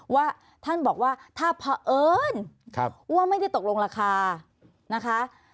ว่าท่านบอกว่าถ้าเผอิญว่าไม่ได้ตกลงราคานะคะ